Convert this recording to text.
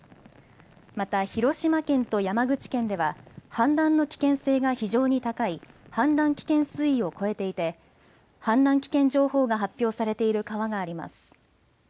また、広島県と山口県では、氾濫の危険性が非常に高い氾濫危険水位を超えていて、氾濫危険情報が発表されている川があります。